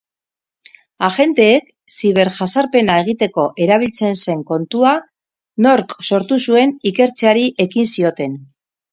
Agenteek ziberjazarpena egiteko erabiltzen zen kontua nork sortu zuen ikertzeari ekin zioten.